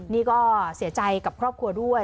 นี่ก็เสียใจกับครอบครัวด้วย